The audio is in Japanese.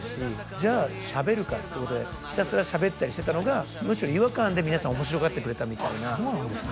じゃあしゃべるかっていうことでひたすらしゃべったりしてたのがむしろ違和感で皆さん面白がってくれたみたいなああそうなんですね